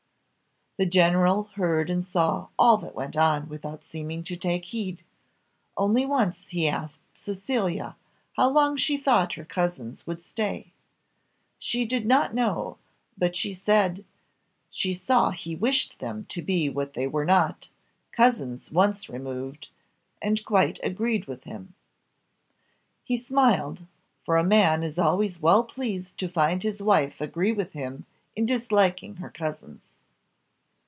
The general heard and saw all that went on without seeming to take heed, only once he asked Cecilia how long she thought her cousins would stay. She did not know, but she said "she saw he wished them to be what they were not cousins once removed and quite agreed with him." He smiled, for a man is always well pleased to find his wife agree with him in disliking her cousins.